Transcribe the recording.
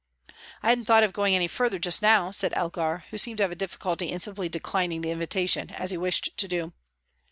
"I hadn't thought of going any further just now," said Elgar, who seemed to have a difficulty in simply declining the invitation, as he wished to do.